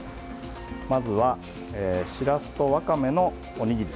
まず、しらすとわかめのおにぎり。